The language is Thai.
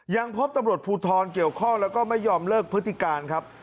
ยังพบตำรวจภูทรเกี่ยวข้องแล้วก็ไม่ยอมเลิกพฤติการครับ